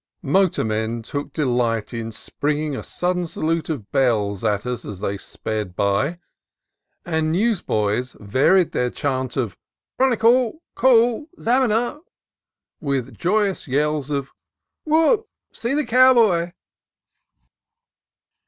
Motormen took delight in springing a sudden salute of bells at us as they sped by, and newsboys varied their chant of "Chronicle! Call! Zaminer!" with joyous yells of "Whoop! See the cowboy!"